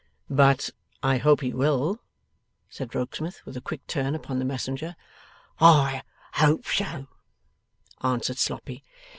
'But I hope he will?' said Rokesmith, with a quick turn upon the messenger. 'I hope so,' answered Sloppy.